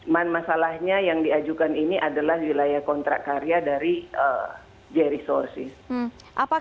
masalahnya yang diajukan ini adalah wilayah kontrak karya dari j resources